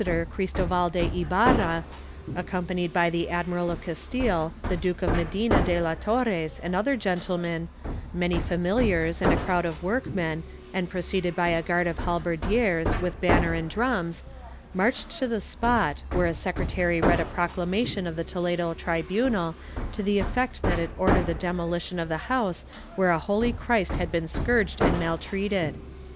II] SPIRITUAL PENANCES 131 Cristoval de Ibarra, accompanied by the Admiral of Castile, the Duke of Medina de la Torres and other gentlemen, many familiars and a crowd of workmen, and preceded by a guard of halberdiers with banner and drums, marched to the spot, where a secretary read a proclamation of the Toledo tribunal to the effect that it ordered the demoHtion of the house where a holy Christ had been scourged and maltreated.